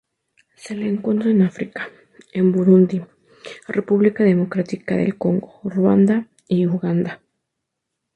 Se le encuentra en África, en Burundi, República Democrática del Congo, Ruanda, y Uganda.